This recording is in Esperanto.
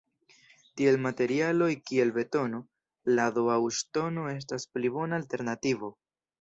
Tiel materialoj kiel betono, lado aŭ ŝtono estas pli bona alternativo.